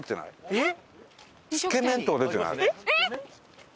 えっ！